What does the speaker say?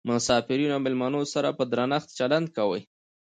مسافرینو او میلمنو سره په درنښت چلند کوي.